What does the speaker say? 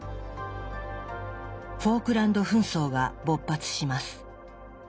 フォークランド紛争が勃発します。